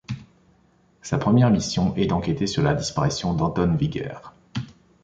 Sa première mission est d'enquêter sur la disparition d'Anton Wiger.